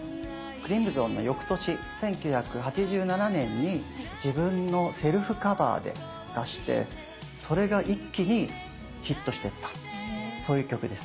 「ＣＲＩＭＳＯＮ」のよくとし１９８７年に自分のセルフカバーで出してそれが一気にヒットしていったそういう曲です。